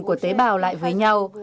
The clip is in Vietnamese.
của tế bào lại với nhau